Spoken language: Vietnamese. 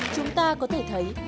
chúng ta có thể thấy